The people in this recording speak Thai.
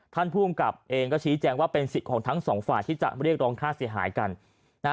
ท่านผู้กำกับเองก็ชี้แจ้งว่าเป็นสิทธิ์ของทั้งสองฝ่ายที่จะเรียกรองคาเสียหายกัน